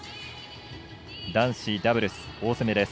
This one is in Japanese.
男子ダブルス、大詰めです。